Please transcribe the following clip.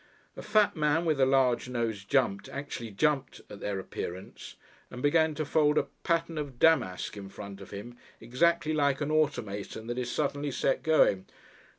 A fat man with a large nose jumped actually jumped at their appearance, and began to fold a pattern of damask in front of him exactly like an automaton that is suddenly set going.